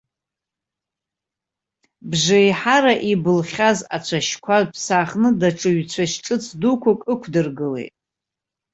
Бжеиҳара ибылхьаз ацәашьқәа ԥсахны даҽа ҩ-цәашь ҿыц дуқәак ықәдыргылеит.